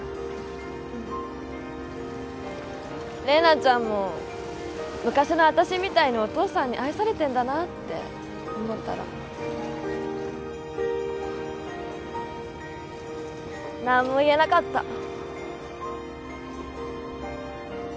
怜奈ちゃんも昔の私みたいにお父さんに愛されてんだなって思ったら何も言えなかった。